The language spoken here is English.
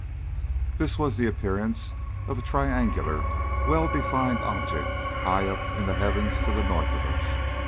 This was the appearance of a triangular well defined object high up in the heavens to the north of us.